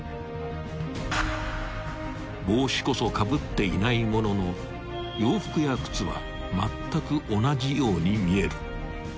［帽子こそかぶっていないものの洋服や靴はまったく同じように見える］